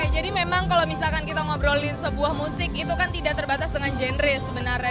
jadi memang kalau misalkan kita ngobrolin sebuah musik itu kan tidak terbatas dengan genre sebenarnya